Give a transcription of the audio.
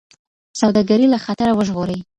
سوداګري له خطره وژغوري.